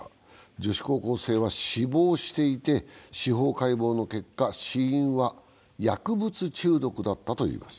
女子高校生は死亡していて司法解剖の結果、死因は薬物中毒だったといいます。